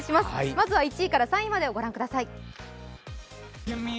まずは１位から３位までをご覧ください。